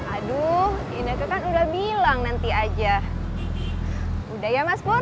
aduh ini aku kan udah bilang nanti aja udah ya mas pun